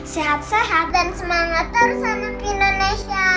sehat sehat dan semangat terus anak indonesia